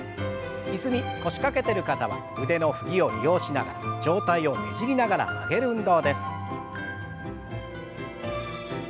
椅子に腰掛けてる方は腕の振りを利用しながら上体をねじりながら曲げる運動です。